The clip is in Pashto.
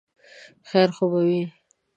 خیر خو به وي ؟